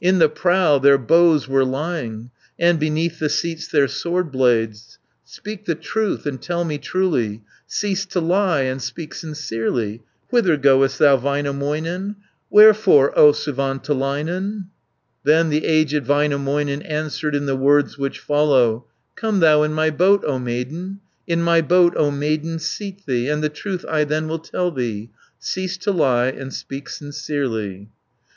In the prow their bows were lying, And beneath the seats their sword blades. 170 Speak the truth, and tell me truly, Cease to lie, and speak sincerely. Whither goest thou, Väinämöinen, Wherefore, O Suvantolainen?" Then the aged Väinämöinen Answered in the words which follow: "Come thou in my boat, O maiden, In my boat, O maiden seat thee, And the truth I then will tell thee, Cease to lie, and speak sincerely."